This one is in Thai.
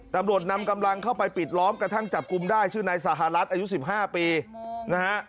ตำรวจนำกำลังเข้าไปปิดล้อมกระทั่งจับกลุ่มได้ชื่อนายสหรัฐอายุ๑๕ปีนะฮะ